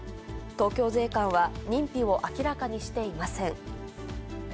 東京税関は、認否を明らかにしていません。